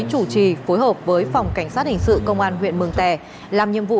chủ trì phối hợp với phòng cảnh sát hình sự công an huyện mường tè làm nhiệm vụ